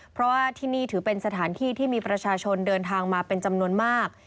เพราะว่าที่นี่ถือเป็นสถานที่ที่มีประชาชนเดินทางมาเป็นจำนวนมาก